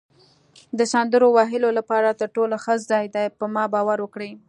د سندرو ویلو لپاره تر ټولو ښه ځای دی، په ما باور وکړئ.